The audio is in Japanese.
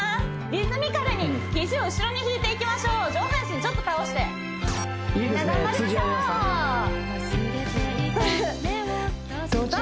リズミカルに肘を後ろに引いていきましょう上半身ちょっと倒していいですね